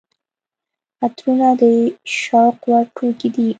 عطرونه د شوق وړ توکي دي.